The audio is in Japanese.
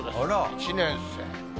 １年生ね。